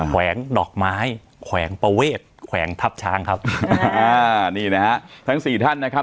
แวงดอกไม้แขวงประเวทแขวงทัพช้างครับอ่านี่นะฮะทั้งสี่ท่านนะครับ